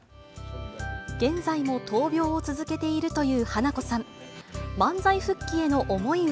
現在も闘病を続けているという花子さん。